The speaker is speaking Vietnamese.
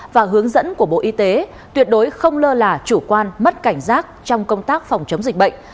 và hướng dẫn của bộ y tế tuyệt đối không lơ là chủ quan mất cảnh giác trong công tác phòng chống dịch bệnh